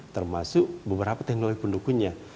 termasuk beberapa teknologi pendukungnya